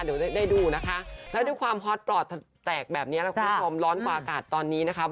เดี๋ยวได้ดูนะคะแล้วด้วยความฮอตปลอดแตกแบบนี้นะคุณผู้ชมร้อนกว่าอากาศตอนนี้นะคะ